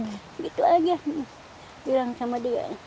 jangan ketinggalan sholat